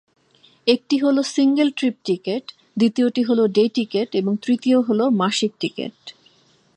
একটি হলো single trip ticket, দ্বিতীয়টি হলো ডে টিকেট এবং তৃতীয় হলো মাসিক টিকেট।